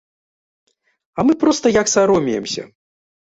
А мы проста як саромеемся.